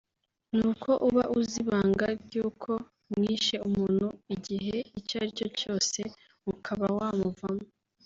ni uko uba uzi ibanga ry’uko mwishe umuntu igihe icyo ari cyo cyose ukaba wamuvamo